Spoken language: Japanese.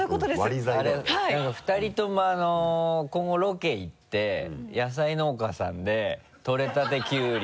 割り材だよね。２人とも今後ロケ行って野菜農家さんでとれたてキュウリ